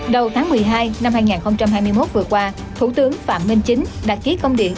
đầu tháng một mươi hai năm hai nghìn hai mươi một vừa qua thủ tướng phạm minh chính đã ký công điện